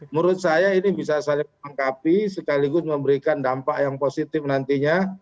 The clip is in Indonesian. menurut saya ini bisa saling menangkapi sekaligus memberikan dampak yang positif nantinya